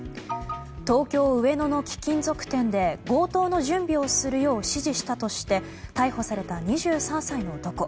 東京・上野の貴金属店で強盗の準備をするよう指示したとして逮捕された２３歳の男。